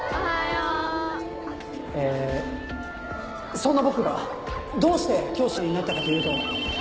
そんな僕がどうして教師になったかというと。